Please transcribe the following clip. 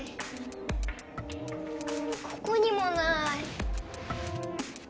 ここにもない。